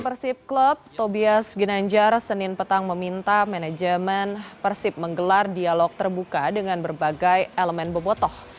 persib klub tobias ginanjar senin petang meminta manajemen persib menggelar dialog terbuka dengan berbagai elemen bobotoh